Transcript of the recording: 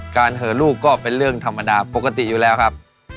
เหอลูกก็เป็นเรื่องธรรมดาปกติอยู่แล้วครับ